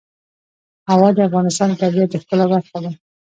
هوا د افغانستان د طبیعت د ښکلا برخه ده.